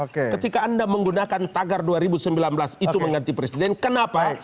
ketika anda menggunakan tagar dua ribu sembilan belas itu mengganti presiden kenapa